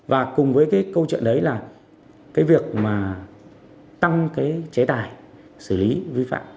và cùng với cái câu chuyện đấy là cái việc mà tăng cái chế tài xử lý vi phạm